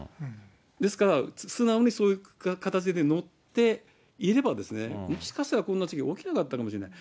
ですから、素直にそういう形で乗っていれば、もしかしたらこんな事件、起きなかったかもしれない。